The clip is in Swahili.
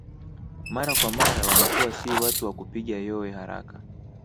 Mara kwa mara wamekuwa si watu wa kupiga yowe haraka